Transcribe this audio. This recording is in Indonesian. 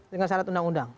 dengan syarat undang undang